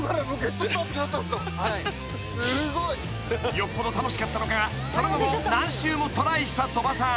［よっぽど楽しかったのかその後も何周もトライした鳥羽さん］